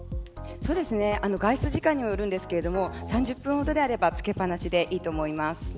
外出時間にもよりますが３０分ほどであればつけっぱなしでいいと思います。